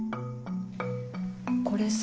これさ。